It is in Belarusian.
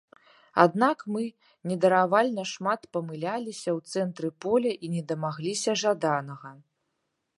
Аднак мы недаравальна шмат памыляліся ў цэнтры поля і не дамагліся жаданага.